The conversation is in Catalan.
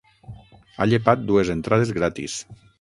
Ha llepat dues entrades gratis.